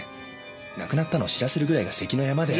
亡くなったのを知らせるぐらいが関の山で。